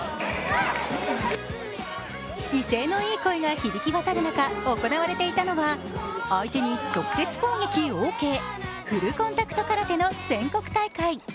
威勢のいい声が響き渡る中、行われていたのは、相手に直接攻撃オーケー、フルコンタクト空手の全国大会。